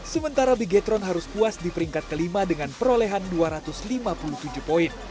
sementara bigetron harus puas di peringkat kelima dengan perolehan dua ratus lima puluh tujuh poin